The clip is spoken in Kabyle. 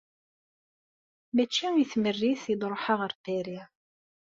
Mačči i tmerrit i d-ruḥeɣ ɣer Paris.